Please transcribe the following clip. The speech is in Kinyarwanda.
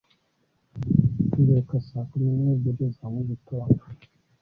mbyuka saa kumi n'ebyiri za mugitondo